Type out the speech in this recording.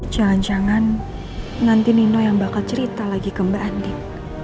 jangan jangan nanti nino yang bakal cerita lagi ke mbak andi